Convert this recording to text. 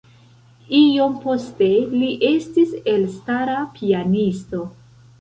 Iom poste li estis elstara pianisto.